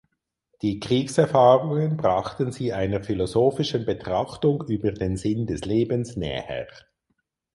Die Kriegserfahrungen brachten sie einer philosophischen Betrachtung über den Sinn des Lebens näher.